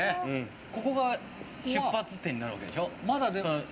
ここが出発点になるわけでしょ。